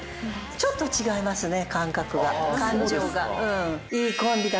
ちょっと違いますね、感情が。